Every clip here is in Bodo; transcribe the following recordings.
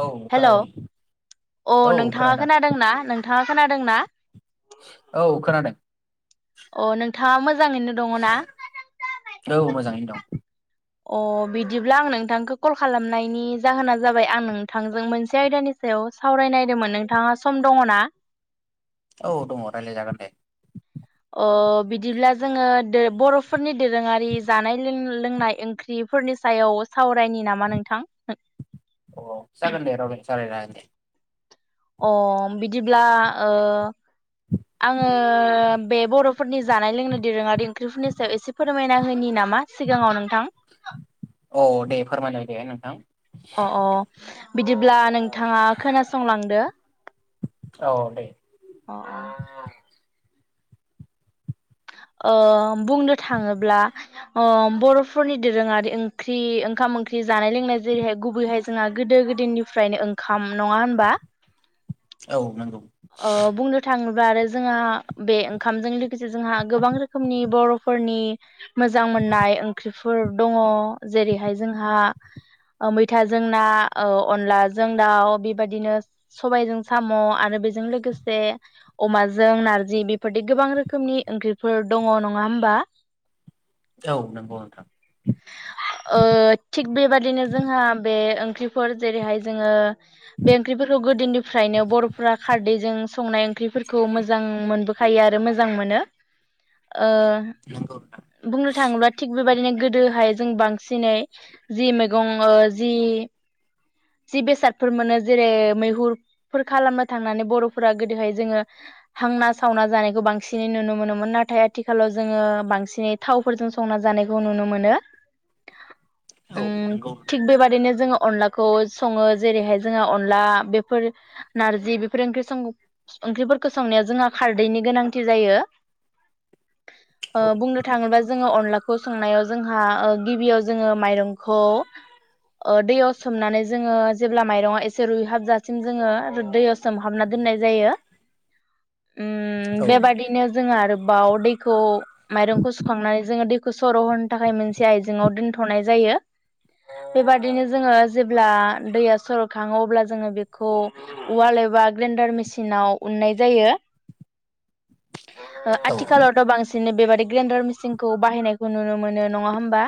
औ हेल' खोनादों औ औ नोंथाङा खोनादों खोनादोंना नों नोंथाङा खोनादोंना औ खोनादों अ नोंथाङा [unintelligible] मोजाङैनो दङ ना औ मोजाङैनो अ बिदिब्ला आं नोंथांखौ कल खालामनायनि जाहोना जाबाय आं नोंथांजों मोनसे आयदानि सायाव सावरायनायदोंमोन नोंथाङा सम दङनाा औ दङ रायलायजागोन दे अ' बिदिब्ला जोङो दे बर'फोरनि दोरोङारि जानाय लों लोंनाय ओंख्रिफोरनि सायाव सावरायनि नामा नोंथां अ जागोन दे [unintelligible] अ' बिदिब्ला ओ आङो बे बर'फोरनि जानाय लोंनाय दोरोङारि ओंख्रिफोरनि सायाव एसे फोरमायना होनि नामा मा सिगाङाव नोंथां औ दे फोरमायलाय [unintelligible] अ अ बिदिब्ला नोंथाङा खोनासंलांदो औ दे ओह बुंनो थाङोब्ला ओह बर'फोरनि दोरोङारि ओंख्रि ओंखाम ओंख्रि जानाय लोंनाय जेरैहाय गुबैहाय जोंहा गोदो गोदायनिफ्रायनो ओंखाम नङा होनबा? औ नंगौ। अ बुंनो थाङो बा आरो जोंहा बे ओंखामजों लोगोसे जोंहा गोबां रोखोमनि बर'फोरनि मोजां मोननाय ओंख्रि फोर दङ' जेरैहाय जोंहा मैथाजों ना, अनलाजों दाउ बेबायदिनो सबायजों साम' आरो जों लोगोसे अमाजों नारजि बेफोरबादि गोबां रोखोमनि ओंख्रिफोर दङ' नङा होमबा? औ नंगौ नोंथां ओह थिग बेबादिनो जोंहा बे ओंख्रिफोर जेरैहाय जोङो बे ओंख्रिफोरखौ गोदोनिफ्रायनो बर'फोरा खारदैजों संनाय ओंख्रिफोरखौ मोजां मोनबोखायो आरो मोजां मोनो। ओह नंगौ नोंथां बुंनो थाङोब्ला थिग बेबायदिनो गोदोहाय जों बांसिनै जि मैगं जि जि बेसादफोर मोनो जेरै मैहुरफोर खालामनो थांनानै बर'फोरा गोदोहाय जोङो हांना सावना जानायखौ बांसिनै नुनो मोनोमोन नाथाय आथिखालाव जोङो बांसिनै थावफोरजों संना जानायखौ नुनो मोनो। औ नंगौ नोंथां। अनला सङो जेरैहाय जोंहा अनला बेफोर नारजि बेफोर ओंख्रि सं ओंख्रिफोरखौ संनाया जोंहा खारदैनि गोनांथि जायो। ओह औ बुंनो नंगौ थाङोब्ला जोङो अनला खौ संनायाव जोंहा उह गिबियाव जोङो माइरंखौ ओ दैयाव सोमनानै जोङो जेब्ला माइरङा एसे रुइहाबजासिम जोङो दैयाव सोमहाबना दोननाय जायो उम औ बेबादिनो जों आरो बाव दैखौ माइरंखौ सुखांनानै जोङो सर' होनो थाखाय मोनसे आइजेंङाव दोनथ'नाय जायो बेबादिनो जोङो जेब्ला दैया सर'खाङो अब्ला जोङो बेखौ उवाल एबा ग्रेन्डार मेसिनाव उननाय जायो ओ औ आथिखालावथ' बांसिन बिदिनो बेबादि ग्रेन्डार मिसिनखौ बाहायनायखौ नुनो मोनो नङा होमबा?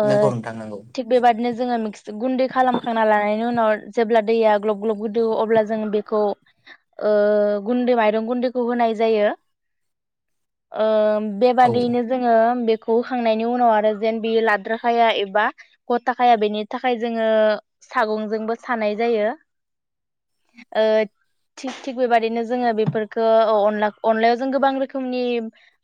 ओ नंगौ नोंथां नंगौ थिग बेबादिनो जोङो मिक्स गुन्दै खालामखांना लानायनि उनाव जेब्ला दैया ग्लब ग्लब गोदो अब्ला जोङो बेखौ ओ गुन्दै माइरं गुन्दैखौ होनाय जायो ओम औ बेबादियैनो जोङो बे खौ होखांनायनि उनाव आरो जेन बेयो लाद्राखाया एबा गथाखाया बेनि थाखाय जोङो सागंजोंबो सानाय जायो ओ थिग थिग बेबाददिनो जोङो बेफोरखौ अनला अनलायाव जों गोबां रोखोमनि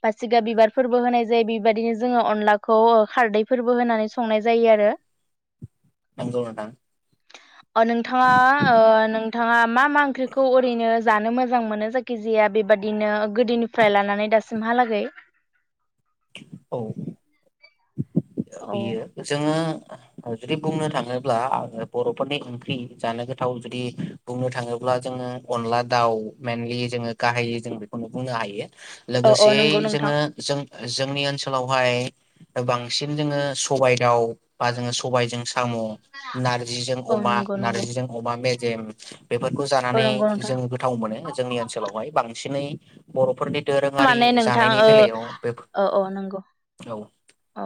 बासिगा बिबारफोरबो होनाय जायो बेबायाददिनो जोङो अनलाखौ खारदैफोरबो होनानै संनाय जायो आरो। नंगौ नोंथां। ओ नोंथाङा ओ नों थाङा मा मा ओंख्रिखौ ओरैनो जानो मोजां मोनो जायखिजाया बेबादिनो गोदोनिफ्राय लानानै दासिमहालागै? औ। ओ औ बियो जोङो। ओ जुदि बुंनो थाङोब्ला आङो बर'फोरनि ओंख्रि जानो गोथाव जुदि बुंनो थाङोब्ला जोङो अनला दाउ मेनलि जोङो गाहायै जों बेखौनो बुंनो हायो। औ औ लोगोसेयै नंगौ नोंथां जोङो जों जोंनि ओनसोलाव। हाय। ओ बांसिन जोङो सबाय दाउ बा जोङो सबायजों साम' नारजिजों औ अमा नंगौ नंगौ नारजिजों अमा मे जेम। बेफोरखौ औ जानानै नंगौ नोंथां जों गोथाव मोनो जोंनि ओनसोलावहाय बांसिनै। बर'फोरनि। दोरोङारि माने नोंथां जानायनि ओ बेलायाव बेफो औ। अ।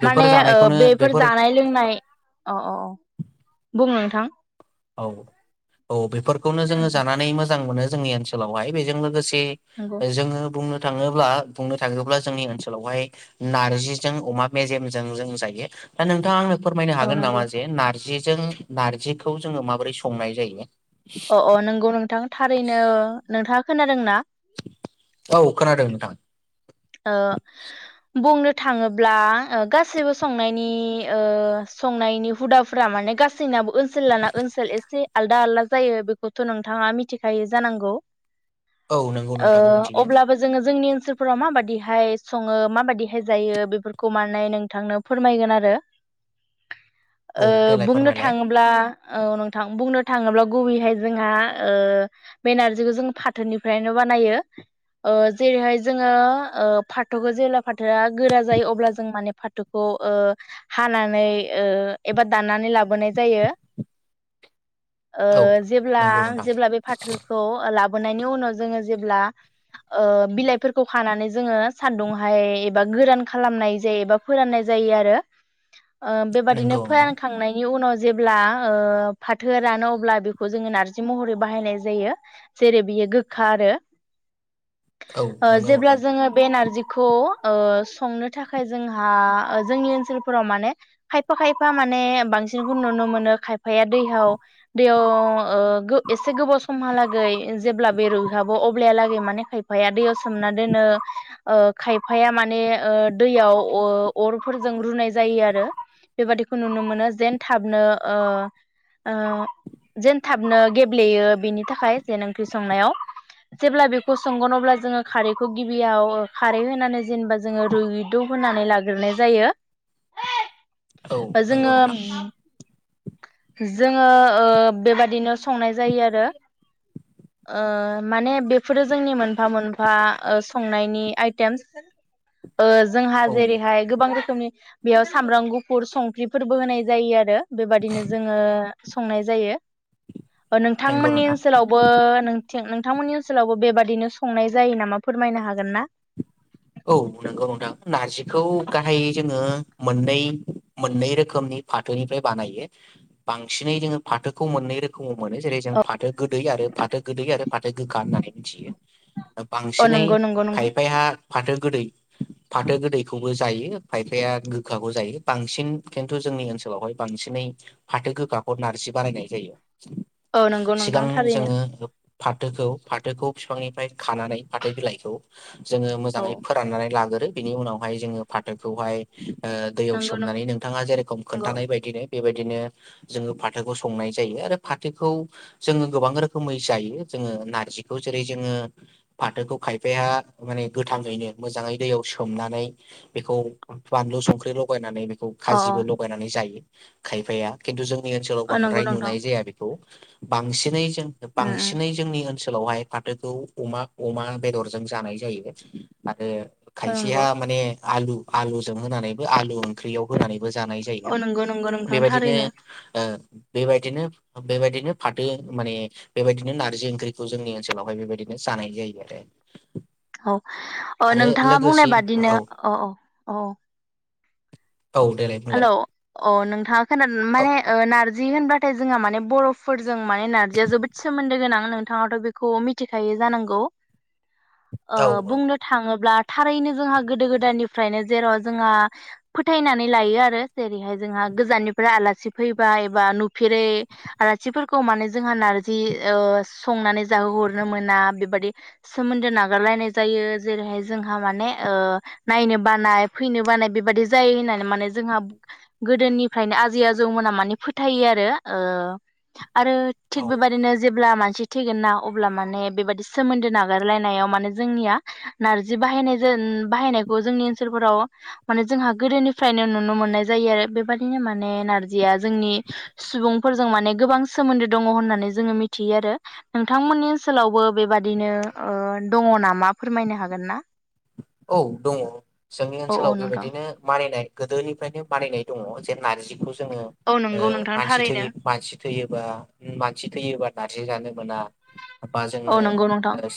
बेफोर माने ओ जानायखौनो बेफोर जानाय लोंनाय अ अ बुं। थां। औ औ बे। फोरखौनो जोङो जानानै मोजां मोनो। जोंनि ओनसोलावहाय बेजों लोगोस इ नंगौ ओ जोङो बुंनो थाङोब्ला बुंनो थाङोब्ला जोंनि ओनसोलावहाय नारजिजों अमा मेजेमजों जों जायो दा नोंथाङा आंनो फोरमायनो औ हागोन नंगौ नामा जे नारजि जों नारजि खौ जोङो माबोरै संनाय जायो। अ अ नोंगौ नोंथां थारैनो नोंथाङा। खोनादों ना? [inaudible] औ खोनादों नोंथां। ओ बुंनो थाङोब्ला ओ गासैबो संनायनि ओ संनायनि हुदाफोरा माने गासैनाबो ओ जिल्ला ना ओनसोल एसे आलदा आलदा जायो बेखौथ' नोंथाङा मिथिखायो जानांगौ। औ नंगौ ओ नोंथां मिथियो अब्लाबो जोंङो जोंनि ओनसोल फोराव माबादिहाय संङो माबादिहाय जायो बेफोरखौ माने नोंथांनो फोरमायगोन आरो। औ ओ देलाय बुंनो फोरमायलाय थाङोब्ला औ नों थां बुंनो थाङोब्ला गुबैहाय जोंहा ओ बेनारजिखौ जों फाथोनिफ्रायनो बानायो। ओ जेरैहाय जोंङो ओ फाथोखौ जेब्ला फाथोआ गोरा जायो अब्ला जों माने फाथोखौ ओ हानानै ओ एबा दाननानै लाबोनाय जायो। ओ औ जेब्ला नंगौ नोंथां जेब्ला बे फाथोखौ ओ लाब फनायनि उनाव जोंङो जेब्ला ओ बिलायफोर खौ खानानै जोंङो सान्दुंहाय एबा गोरान खालामनाय जायो एबा फोराननाय जायो आरो ओ बेबायदिनो नंगौ नोंथां फोरानखांनायनि उनाव जेब्ला ओ फाथोआ रानो अब्ला बेखौ जोंङो नारजि महरै बाहायनाय जायो। जेरै बियो गोखा आरो औ ओ नंगौ जेब्ला नोंथां जोंङो बे नारजिखौ ओ संनो थाखाय जोंहा जोंनि ओनसोलफोराव माने खायफा खायफा माने बांसिनखौ नुनो मोनो खायफाया दैयाव दैयाव ओ गो एसे गोबाव समहालागै जेब्ला बे रुइहाबो अब्लाया लागै माने खायफाया दैयाव सोमनानै दोनो। ओ खायफा माने ओ दैयाव ओ अरफोरजों रुनाय जायो आरो बेबादिखौ नुनो मोनो। जेन थाबनो ओ ओ जेन थाबनो गेब्लेयो बेनि थाखाय जेन ओंख्रि संनायाव। जेब्ला बेखौ संगोन अब्ला जोंङो खारैखौ गिबियाव खारै होनानै जेनेबा जोङो रुइदबहोनानै लाग्रोनाय जायो। औ नंगौ जोंङो नोंथां जोंङो ओ बेबादिनो संनाय जायो आरो ओ माने बेफोरो जोंनि मोनफा मोन फा ओ संनायनि आइटेमस। ओ जोंहा औ जेरैहाय गोबां रोखोमनि बेयाव सामब्राम गुफुर संख्रिफोरबो होनाय जायो आरो बेबादिनो जोंङो संनाय जायो। नंगौ नोंथांमोननि नोंथां ओनसोलावबो नों नोंथांमोननि ओनसोलावबो बेबादिनो संनाय जायो नामा फोरमायनो हागोन ना? औ नंगौ नोंथां नारजि खौ गाहायै जोंङो मोननै मोननै रोखोमनि फाथोनिफ्राय बानायो। बांसिनै जोंङो फाथोखौ मोननै रोखोम [unintelligible] मोनो जेरै जों फाथो गोदै आरो फाथो गोदै आरो फाथो गोखा होननानै मिथियो। अ बांसिनै नंगौ नंगौ नोंथां खायफाहा फाथो गोदै फाथो गोदैखौबो जायो खायफाया गोखाखौ जायो बांसिन खिन्थु जोंनि ओनसोलावहाय बांसिनै फाथो गोखाखौ नारजि बानायनाय जायो। औ नंगौ नोंथां सिगां थारैनो जोंङो फा थोखौ फाथोखौ फिफांनिफ्राय खानानै फाथो बिलाइखौ जोङो औ मोजाङै फोराननानै लागोरो। बिनि उनावहाय जोङो फाथोखौहाय ओ दैयाव नंगौ नों सोमनानै नोंथाङा जे रखम नंगौ खोन्थानाय बायदिनो बेबायदिनो जोङो फाथोखौ संनाय जायो आरो फाथोखौ जोङो गोबां रोखोमै जायो जोङो नारजिखौ जेरै जोङो फाथोखौ खायफाया माने गोथाङैनो मोजाङै दैयाव सोमनानै बेखौ बानलु संख्रि लगायनानै औ अ खाजिबो लगायनानै जायो। खायफाया किन्थु जों नि ओनसोलाव अ नंगौ बांद्राय नोंथां नुनाय जाया बेखौ। बांसिनै उम बांसिनै जोंनि ओनसो सोलावहाय फाथोखौ अमा-अमा बेदरजों जानाय जायो माखो औ खायसिहा नंगौ माने आलु-आलुजों होनानैबो आलु ओंख्रियाव होनानै बो जानाय जायो औ नंगौ नंगौ नोंथां बेबादिनो थारैनो ओ बेबादिनो-बेबादिनो फाथो माने बेबादिनो नारजि ओंख्रिखौ जोंनि ओनसोलावहाय बेबादिनो जानाय जायो आरो अह आरो नोंथाङा बुंनाय लोगोसे बादिनो औ अह अह औ देलाय हेल' बुंलाय अह नोंथाङा खोना औ माने नार जि होनबाथाय जोंहा माने बर'फोर जों माने नारजिया जोबोद सोमोन्दो गोनां नोंथाङाथ' बेखौ मिथिखायो जानांगौ ओ औ औ बुंनो थाङोब्ला थारैनो जोंहा गोदो गोदायनिफ्रायनो जेराव जोंहा फोथायना नै लायो आरो जेरैहाय जोंहा गोजाननिफ्राय आलासि फैबा एबा नुफेरै आलासिफोरखौ माने जोंहा ओ नारजि ओ संनानै जाहोहरनो मोना बेबादि सोमोन्दो नागारलायनाय जायो जेरैहाय जोंहा माने ओ नायनो बानाय फैनो बानाय बेबादि जायो होननानै माने जोंहा गोदोनिफ्रायनो आजै आजौमोनहा माने फोथायो आरो ओ आरो थिग औ बेबायदिनो जेब्ला मान सि थैगोना अब्ला माने बेबादि सोमोन्दो नागारलायनायाव माने जोंनिया नारजि बायनाय जोन जोंनि ओनसोलाव माने जोंहा गोदोनि फ्रायनो नुनो मोननाय जायो आरो बेबादिनो माने नारजिया जोंनि सुबुंफोरजों माने गोबां सोमोन्दो दङ होननानै जोङो मिथियो आरो। नोंथांमोननि ओनसोलावबो बेबादिनो ओ दङ नामा फोरमायनो हागोन ना? औ दङ जोंनि औ औ ओनसोलाव नोंथां बेबायदिनो मानिनाय गोदोनिफ्रायनो बानायनाय दङ जे नारजिखौ जोङो औ ओ नंगौ नोंथां मानसि थै औ मानसि थैयोबा-मानसि थैयोबा ना जि जानो मोना बा जोङो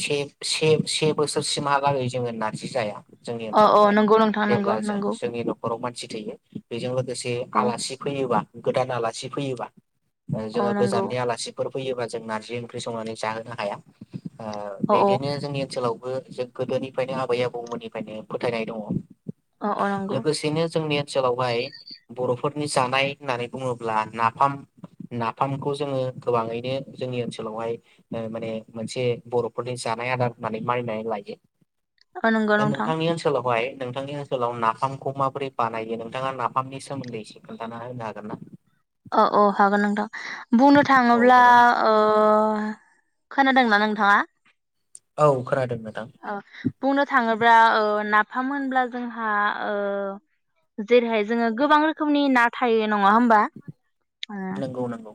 से-से-से बोसोरसिमहा हा लागै जोङो ना रजि जाया जोंनि औ ओनसोलावहाय नंगौ नोंथां नंगौ जेब्ला ज नंगौ जोंनि न'खराव मानसि थैयो बेजों लोगोसे औ आलासि फैयोबा गोदान आलासि फैयोबा औ जोङो नंगौ गोजाननि आलासिफोर फैयोबा जों नार्जि ओंख्रि संनानै जाहोनो हाया ओ औ औ बिदिनो जोंनि ओनसोलावबो जों गोदोनिफ्रायनो आबै आ बौ मोननिफ्रायनो फोथायनाय दङ औ औ नंगौ लोगोसेनो जोंनिया ओनसोलावहाय बर'फोरनि जानाय होननानै बुङोब्ला नाफाम नाफामखौ जोङो गोबाङैनो जोंनि ओनसोलावहाय माने मोनसे बर'फोरनि जानाय आदार होननानै मानिनानै लायो अ नंगौ दा नोंथां नोंथांनि ओनसोलावहाय नोंथांनि ओनसोलाव नाफामखौ माबोरै बानायो। नोंथाङा नाफामनि सोमोन्दै एसे खोन्थाना होनो हागोन ना? औ औ हागोन नोंथां बुंनो औ थाङोब्ला नोंथां खोनादोंना नोंथाङा? औ खोनादों। नोंथां अ बुंनो थाङोब्ला नाफाम होनब्ला जोंहा जेरैहाय जोङो गोबां रोखोमनि ना थायो नङा हबा नंगौ नंगौ।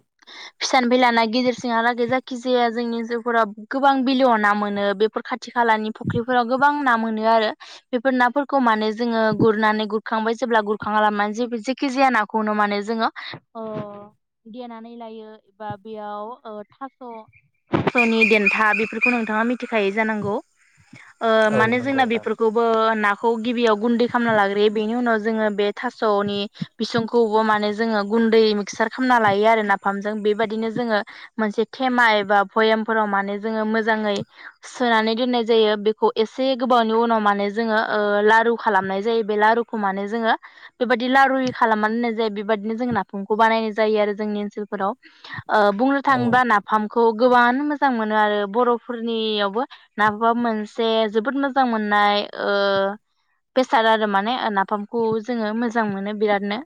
फिसान फैलााना गेजेर सिहालागै जायखि जाया जोंनि जिउफोरााव गोबां बिलेयाव ना मोनो बेफोर खाथि खाथि खालानि फुख्रिफोराव गोबां ना मोनो आरो बेफोर नाफोरखौ माने जोङो गुरनानै गुरखांबाय जेब्ला गुरखांालानानै जे जेखि जाया नाखौनो माने जोङो देनानै लायो बा बेयाव थास' थास'नि देथा बेफोरखौ नोंथाङा मिथिखाय जानांगौ। [unintelligible] औ माने नंगौ जोंना नोंथां बेफोरखौबो ना खौ गिबियाव गुन्दै खालामना लाग्रोयो बेनि उनाव जोङो बे थास'नि बिसंखौबो माने जोङो गुन्दै मिक्सार खालामना लायो आरो नाफामजों बेबायदिनो जोङो मोनसे थेमा एबा भयामफोराव माने जोो मोजाङै सोनानै दोननाय जायो बेखौ एसे गोबावनि उनाव माने जोङो लारु खालामनाय जायो बे लारुखौ माने जोङो बेबायदि लारु खालामनानै दोननाय जायो। बेबायदिनो जों नाफामखौ बानायनाय जायो आरो जोंनि ओनसोलफोराव। बुंनो औ थाङोबा नाफामखौ गोबां मोजां मोनो आरो बर'फोरनियावबो। नाफामा मोनसे जोबोद मोजां मोननाय बेसाद आरो माने नाफामखौ जोङो मोजां मोनो बिरादनो।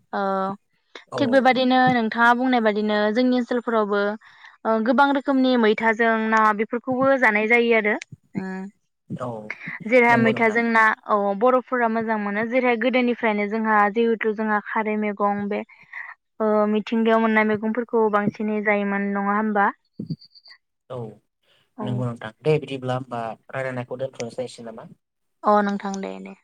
औ थिग बेबायाददिनो नोंथाङा बुंनाय बाददि बिदिनो जोंनि ओनसोलफोरावबो गोबां रोखनि मैथों ना बेफोरखौबो जानाय जायो आरो। [inaudible] औ [inaudible] जेरैहा नंगौ नोंथां मैथाजोंना औ बर'फोरा मोजां मोनो जेरैहाय गोदोनिफ्रायनो जोंहा जिहेथु जोंहा खारै मैगं बे मिथिंगायाव मोननाय मैगंफोरखौ बांसिनै जायोमोन नङा ह औ औ नंगौ नोंथां दे बिदिब्ला। बा रायनायखौ दोन्थ'नोस जायसै नामा। अ नोंथां दे दे।